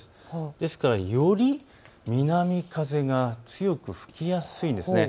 ですからより南風が強く吹きやすいんです。